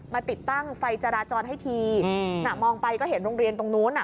ติดตั้งไฟจราจรให้ทีน่ะมองไปก็เห็นโรงเรียนตรงนู้นอ่ะ